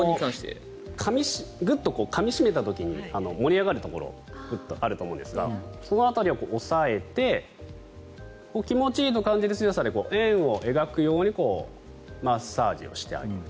グッとかみ締めた時に盛り上がるところがあると思うんですがその辺りを押さえて気持ちいいと感じる強さで円を描くようにマッサージをしてあげる。